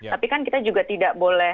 tapi kan kita juga tidak boleh